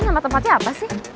ini nama tempatnya apa sih